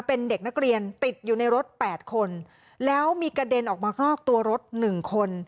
เป็นเด็กนักเรียนติดอยู่ในรถแปดคนแล้วมีกระเด็นออกมานอกตัวรถ๑คน